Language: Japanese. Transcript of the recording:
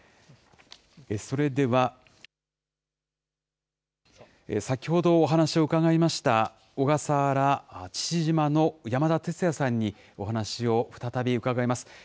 それでは、先ほどお話を伺いました、小笠原・父島の山田鉄也さんにお話を再び伺います。